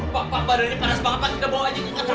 pak badannya parah banget pak kita bawa aja